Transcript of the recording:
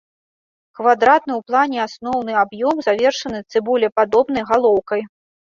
Квадратны ў плане асноўны аб'ём завершаны цыбулепадобнай галоўкай.